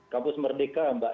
kampus merdeka mbak